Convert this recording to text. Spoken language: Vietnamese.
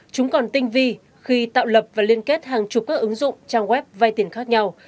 chúng còn tinh vi khi tạo lập và liên kết hàng chục các ứng dụng trang web vay tiền khác nhau